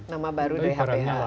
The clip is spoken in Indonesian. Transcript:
nama baru dari hph